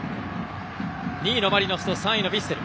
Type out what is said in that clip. ２位のマリノスと３位のヴィッセル。